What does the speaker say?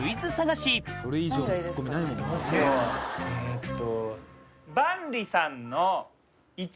えっと。